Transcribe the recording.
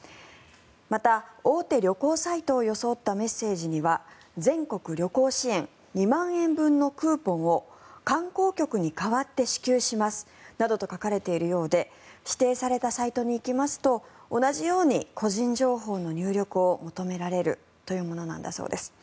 また、大手旅行サイトを装ったメッセージには全国旅行支援２万円分のクーポンを観光局に代わって支給しますなどと書かれているようで指定されたサイトに行きますと同じように個人情報の入力を求められるというものなんだそうです。